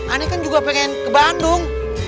aneh kan juga pengen ke bandung